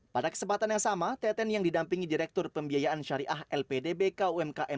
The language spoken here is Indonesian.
pada kesempatan yang sama teten yang didampingi direktur pembiayaan syariah lpdb kumkm